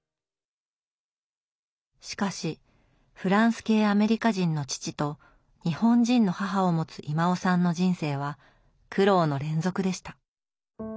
しかしフランス系アメリカ人の父と日本人の母を持つ威馬雄さんの人生は苦労の連続でした。